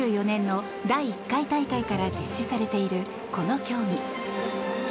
１９２４年の第１回大会から実施されているこの競技。